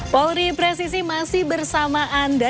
polri presisi masih bersama anda